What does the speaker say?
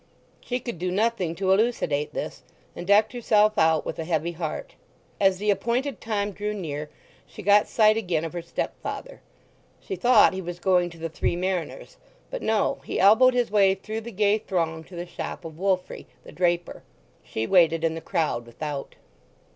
She could do nothing to elucidate this, and decked herself out with a heavy heart. As the appointed time drew near she got sight again of her stepfather. She thought he was going to the Three Mariners; but no, he elbowed his way through the gay throng to the shop of Woolfrey, the draper. She waited in the crowd without.